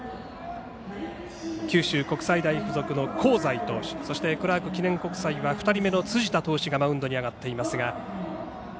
九州国際大付属の香西投手そしてクラーク記念国際は２人目の辻田投手がマウンドに上がっていますが。